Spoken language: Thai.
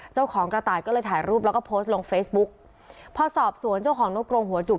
เจ้าของกระต่ายก็เลยถ่ายรูปแล้วก็โพสต์ลงเฟซบุ๊กพอสอบสวนเจ้าของนกกรงหัวจุก